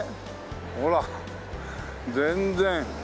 ほら全然。